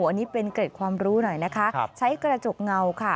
อันนี้เป็นเกร็ดความรู้หน่อยนะคะใช้กระจกเงาค่ะ